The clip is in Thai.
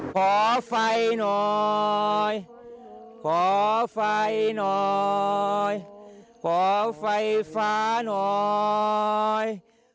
ขอไฟหน่อยขอไฟหน่อยขอไฟฟ้าหน่อย